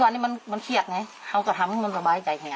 วันนี้มันเ๑๗เทียดไงเขาก็ทำให้มันสบายใจให้